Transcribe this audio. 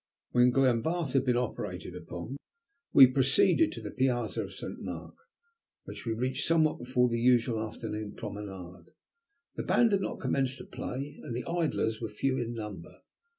When Glenbarth had been operated upon we proceeded to the piazza of Saint Mark, which we reached somewhat before the usual afternoon promenade. The band had not commenced to play, and the idlers were few in number.